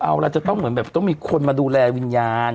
เอาล่ะจะต้องเหมือนแบบต้องมีคนมาดูแลวิญญาณ